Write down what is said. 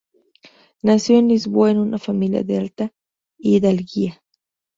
Nació en Lisboa en una familia de alta hidalguía.